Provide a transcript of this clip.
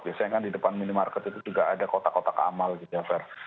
biasanya kan di depan minimarket itu juga ada kotak kotak amal gitu ya fer